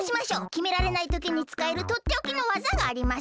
きめられないときにつかえるとっておきのわざがあります！